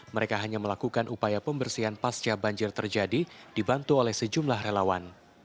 mereka hanya melakukan upaya pembersihan pasca banjir terjadi dibantu oleh sejumlah relawan